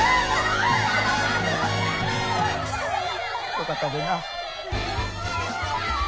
よかったでんなあ。